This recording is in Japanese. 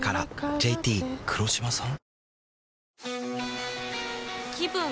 ＪＴ黒島さん？